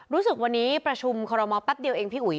รู้สึกวันนี้ประชุมขปั๊ดเดียวเองพี่อุ๋ย